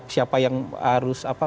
siapa yang harus apa